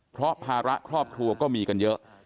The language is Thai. เพราะภาระครอบครัวก็มีกันเยอะ